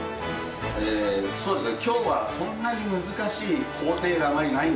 そうですね。